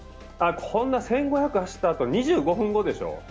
１５００走ったあと、２５分後でしょう？